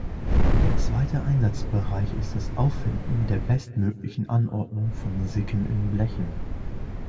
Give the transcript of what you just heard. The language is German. Der zweite Einsatzbereich ist das Auffinden der bestmöglichen Anordnung von Sicken in Blechen.